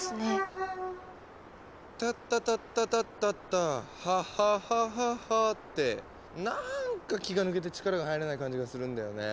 「タッタタッタタタタハハハハハ」ってなんか気が抜けて力が入らない感じがするんだよね。